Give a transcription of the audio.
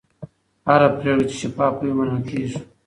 هره پرېکړه چې شفافه وي، منل کېږي.